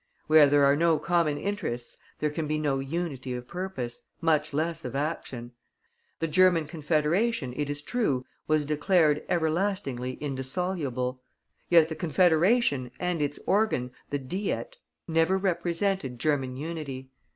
Where there are no common interests there can be no unity of purpose, much less of action. The German Confederation, it is true, was declared everlastingly indissoluble; yet the Confederation, and its organ, the Diet, never represented German unity.